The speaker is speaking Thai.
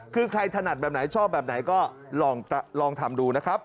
คือใครถนัดแบบไหนชอบแบบไหนก็ลองทำดูนะครับ